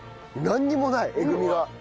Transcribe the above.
なんにもないえぐみが。